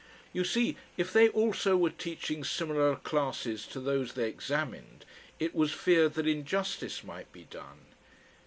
You see, if they also were teaching similar classes to those they examined, it was feared that injustice might be done.